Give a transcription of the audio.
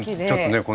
ちょっとね